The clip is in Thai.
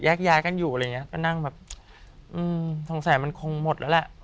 ย้ายกันอยู่อะไรอย่างเงี้ยก็นั่งแบบอืมสงสัยมันคงหมดแล้วแหละ